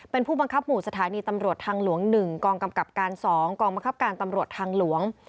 เป็นผู้บังคับหมู่สถานีตำรวจทางหลวง๑กองกำกับการ๒กองบังคับการตำรวจทางหลวง